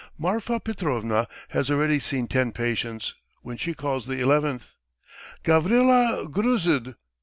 Marfa Petrovna has already seen ten patients when she calls the eleventh: "Gavrila Gruzd!"